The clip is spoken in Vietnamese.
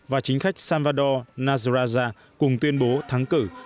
và chính khách salvador nazoraza cùng tuyên bố thắng cử